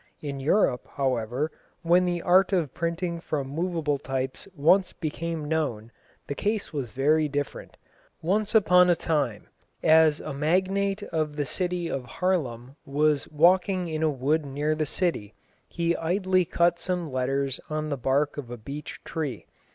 In Europe, however, when the art of printing from moveable types once became known, the case was very different. Once upon a time, as a magnate of the city of Haarlem was walking in a wood near the city, he idly cut some letters on the bark of a beech tree.